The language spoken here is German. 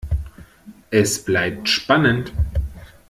Es bleibt spannend.